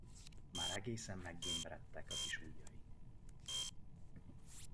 Már egészen meggémberedtek a kis ujjai.